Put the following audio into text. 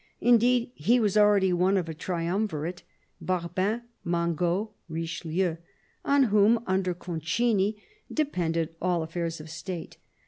Indeed, he was already one of a triumvirate — Barbin, Mangot, Richelieu — on whom, under Concini, depended all affairs of State.